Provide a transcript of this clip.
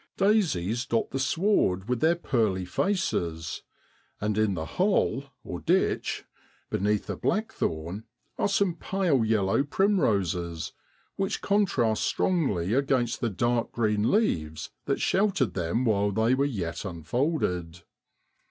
Daisies dot the sward with their pearly faces, and in the holl (ditch), be neath the blackthorn, are some pale yellow primroses, which contrast strongly against the dark green leaves that sheltered them while they were yet unfolded.